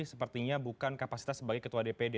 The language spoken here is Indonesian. sepertinya bukan kapasitas sebagai ketua dpd